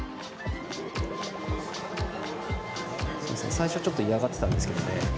最初、ちょっと嫌がってたんですけどね。